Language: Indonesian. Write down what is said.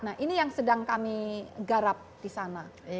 nah ini yang sedang kami garap di sana